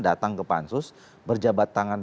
datang ke pansus berjabat tangan